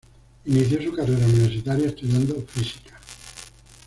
Inició su carrera universitaria estudiando Física.